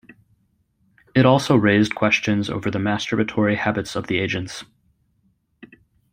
It also raised questions over the masturbatory habits of the agents.